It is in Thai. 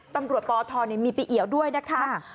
ตำรวจปทมีปีเหี่ยวด้วยนะคะ